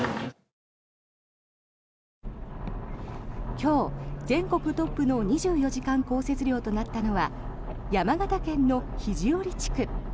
今日、全国トップの２４時間降雪量となったのは山形県の肘折地区。